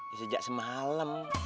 dia sejak semalam